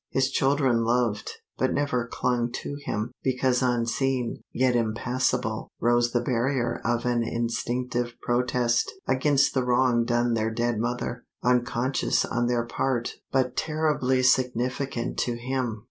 His children loved, but never clung to him, because unseen, yet impassible, rose the barrier of an instinctive protest against the wrong done their dead mother, unconscious on their part but terribly significant to him.